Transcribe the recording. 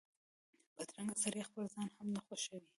بدرنګه سړی خپل ځان هم نه خوښوي